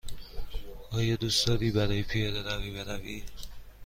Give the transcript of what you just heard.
آیا دوست داری برای پیاده روی بروی؟